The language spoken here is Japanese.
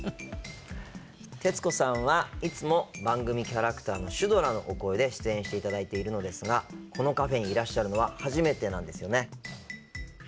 徹子さんはいつも番組キャラクターのシュドラのお声で出演していただいているのですがこのカフェにいらっしゃるのは初めてなんですよね。